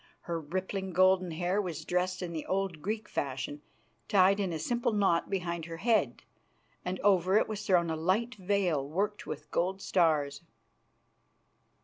Her rippling golden hair was dressed in the old Greek fashion, tied in a simple knot behind her head, and over it was thrown a light veil worked with golden stars.